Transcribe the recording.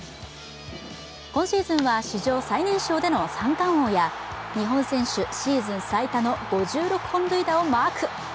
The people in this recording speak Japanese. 今シーズンは史上最年少での三冠王や日本選手シーズン最多の５６本塁打をマーク。